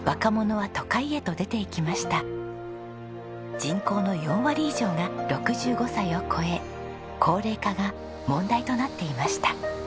人口の４割以上が６５歳を超え高齢化が問題となっていました。